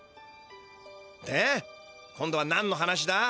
で今度はなんの話だ？